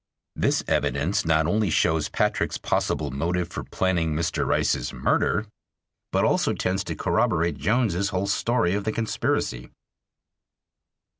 This evidence not only shows Patrick's possible motive for planning Mr. Rice's murder, but also tends to corroborate Jones's whole story of the conspiracy.